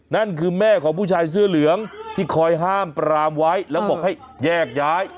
นั่นคือแม่ของผู้ชายเสื้อเหลืองที่คอยห้ามปรามไว้แล้วบอกให้แยกย้าย